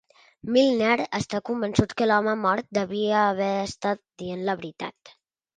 Milner està convençut que l'home mort devia haver estat dient la veritat.